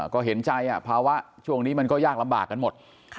ก็เห็นใจภาวะช่วงนี้มันก็ยากลำบากกันหมด